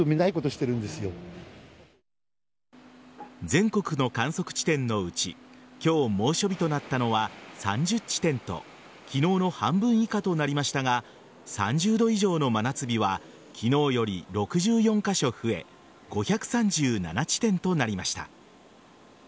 全国の観測地点のうち今日、猛暑日となったのは３０地点と昨日の半分以下となりましたが３０度以上の真夏日は昨日より６４カ所増え５３７地点となりました。